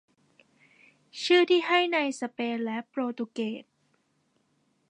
ชื่อที่ให้ในสเปนและโปรตุเกส